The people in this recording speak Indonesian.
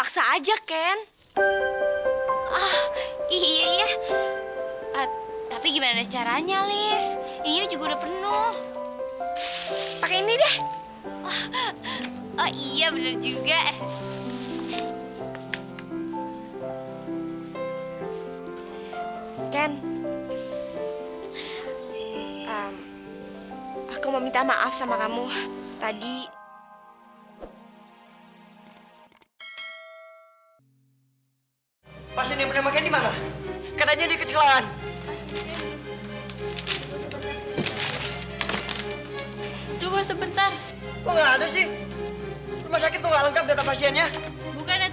sampai jumpa di video selanjutnya